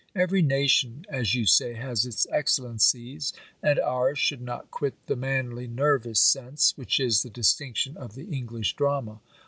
"Every nation, as you say, has its excellencies; and ours should not quit the manly nervous sense, which is the distinction of the English drama.